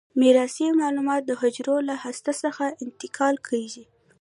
میراثي معلومات د حجره له هسته څخه انتقال کیږي.